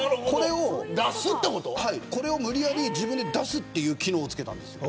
これを無理やり自分で出すという機能を付けたんです。